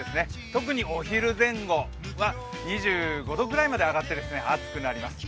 特にお昼前後は２５度ぐらいまで上がって暑くなります。